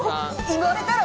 言われたら。